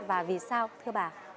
và vì sao thưa bà